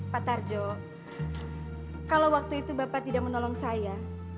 pak tarjo kalau waktu itu bapak tidak menolong saya